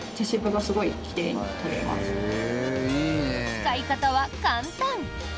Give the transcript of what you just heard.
使い方は簡単！